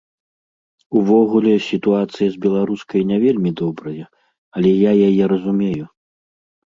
Увогуле, сітуацыя з беларускай не вельмі добрая, але я яе разумею.